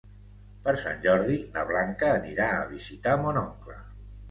Per Sant Jordi na Blanca anirà a visitar mon oncle.